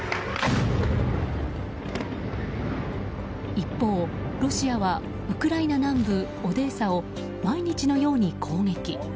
一方、ロシアはウクライナ南部オデーサを毎日のように攻撃。